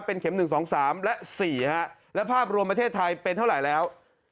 เป็นเข็มหนึ่งสองสามและสี่ฮะและภาพรวมประเทศไทยเป็นเท่าไหร่แล้ว